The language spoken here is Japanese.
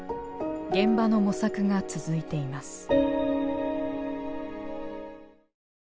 現場の模索が続いています。